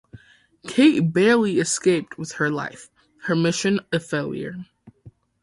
Kate barely escaped with her life, her mission a failure.